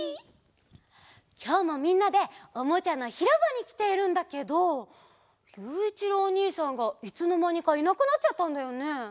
きょうもみんなでおもちゃのひろばにきているんだけどゆういちろうおにいさんがいつのまにかいなくなっちゃったんだよね。